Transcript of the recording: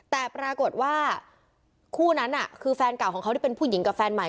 แต่ปรากฏว่าคู่นั้นคือแฟนเก่าของเขาที่เป็นผู้หญิงกับแฟนใหม่